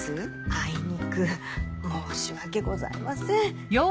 あいにく申し訳ございません。